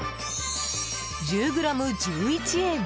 １０ｇ１１円。